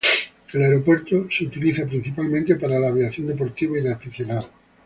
El aeropuerto es utilizado principalmente para la aviación deportiva y de aficionados.